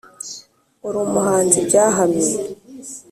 uri umuhanzi byahamye